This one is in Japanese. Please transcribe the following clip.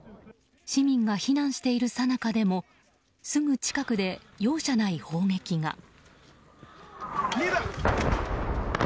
市民が避難しているさなかでもすぐ近くで容赦ない砲撃が。